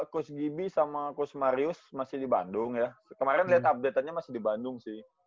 coach gibi sama coach marius masih di bandung ya kemarin lihat update nya masih di bandung sih